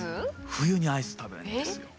冬にアイス食べるんですよ。